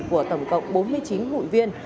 của tổng cộng bốn mươi chín hội viên